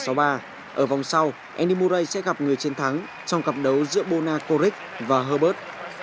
ở vòng sau eni murray sẽ gặp người chiến thắng trong cặp đấu giữa bona koric và herbert